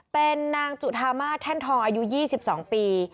เป็นนางจุธามาสแท่นทองอายุ๒๒ปี